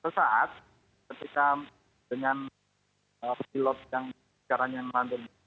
sesaat ketika dengan pilot yang sekarang ngelantur